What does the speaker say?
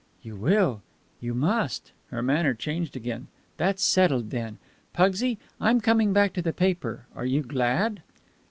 "You will. You must." Her manner changed again. "That's settled, then. Pugsy, I'm coming back to the paper. Are you glad?"